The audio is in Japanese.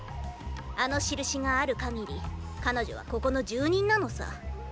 あの印があるかぎり彼女はここの住人なのさ。